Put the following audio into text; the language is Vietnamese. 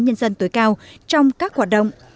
nhân dân tối cao trong các hoạt động